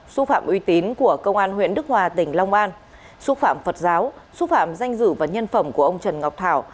xúc phạm uy tín của công an huyện đức hòa tỉnh long an xúc phạm phật giáo xúc phạm danh dự và nhân phẩm của ông trần ngọc thảo